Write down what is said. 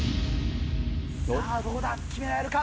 さあ、どうだ、決められるか。